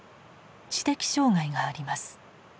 知的障害があります。